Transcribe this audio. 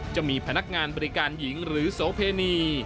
จะมีพนักงานบริการหญิงหรือโสเพณี